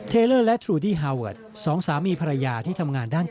เลอร์และทรูดี้ฮาเวิร์ดสองสามีภรรยาที่ทำงานด้าน